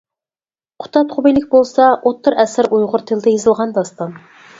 «قۇتادغۇبىلىك» بولسا، ئوتتۇرا ئەسىر ئۇيغۇر تىلىدا يېزىلغان داستان.